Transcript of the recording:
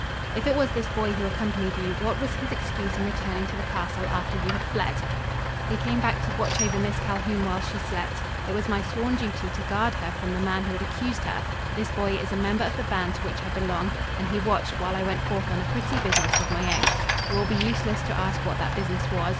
"If it was this boy who accompanied you, what was his excuse in returning to the castle after you had fled?" "He came back to watch over Miss Calhoun while she slept. It was my sworn duty to guard her from the man who had accused her. This boy is a member of the band to which I belong and he watched while I went forth on a pretty business of my own. It will be useless to ask what that business was.